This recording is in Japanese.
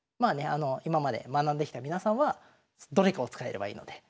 あの今まで学んできた皆さんはどれかを使えればいいので。